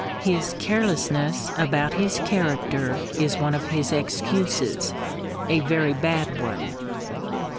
His carelessness about his character is one of his excuses: a very bad one.